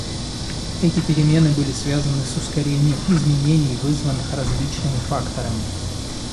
Эти перемены были связаны с ускорением изменений, вызванных различными факторами.